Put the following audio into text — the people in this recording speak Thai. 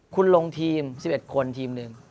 คุณลงทีม๑๑คนทีมหนึ่ง